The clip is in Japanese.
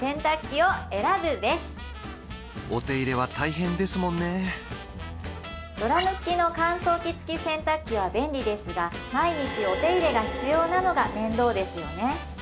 お手入れは大変ですもんねドラム式の乾燥機付き洗濯機は便利ですが毎日お手入れが必要なのが面倒ですよね